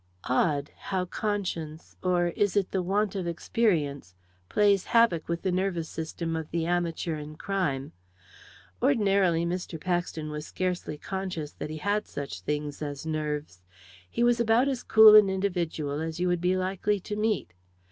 Odd how conscience or is it the want of experience? plays havoc with the nervous system of the amateur in crime. Ordinarily, Mr. Paxton was scarcely conscious that he had such things as nerves; he was about as cool an individual as you would be likely to meet.